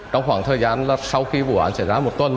trong khoảng thời gian sau khi vụ án xảy ra một tuần